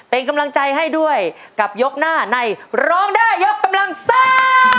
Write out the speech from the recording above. เป็นกำลังใจให้ด้วยกับยกหน้าในร้องได้ยกกำลังซ่า